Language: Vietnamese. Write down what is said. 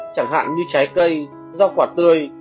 chẳng hạn như trái cây rau quả tươi